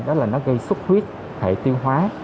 đó là nó gây sốt huyết hệ tiêu hóa